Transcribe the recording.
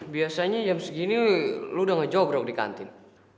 biasanya jam segini lo udah ngejobrok di kantin